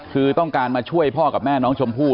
คือต้องการมาช่วยพ่อกับแม่น้องชมพู่